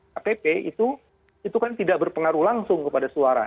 kpp itu kan tidak berpengaruh langsung kepada suara